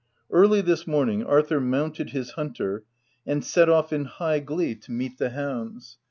Early this morning, Arthur mounted his hunter and set off in high glee to meet the hounds.